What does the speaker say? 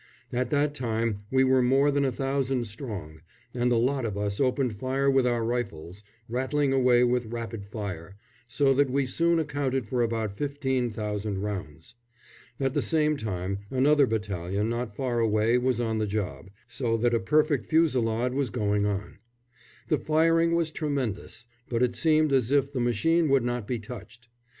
At that time we were more than a thousand strong, and the lot of us opened fire with our rifles, rattling away with rapid fire, so that we soon accounted for about fifteen thousand rounds. At the same time another battalion not far away was on the job, so that a perfect fusillade was going on. The firing was tremendous, but it seemed as if the machine would not be touched.